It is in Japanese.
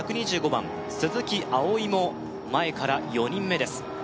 番鈴木葵も前から４人目です